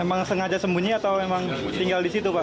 emang sengaja sembunyi atau memang tinggal di situ pak